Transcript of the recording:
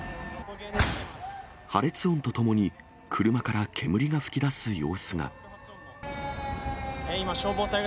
破裂音とともに車から煙が噴き出す様子が。